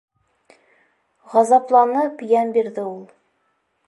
Ғазапланып йән бирҙе ул.